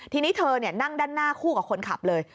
ทีนี้เธอนั่งด้านหน้าคู่กับคนขับเลย